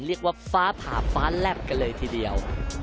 เรียกว่าฟ้าผ่าฟ้าแลบกันเลยทีเดียว